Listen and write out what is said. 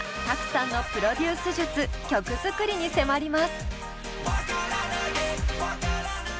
Ｔａｋｕさんのプロデュース術曲作りに迫ります。